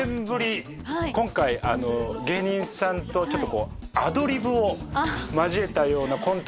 今回芸人さんとちょっとこうアドリブを交えたようなコントが。